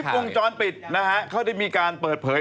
คลิปของจรปิดเค้าได้มีการเปิดเผย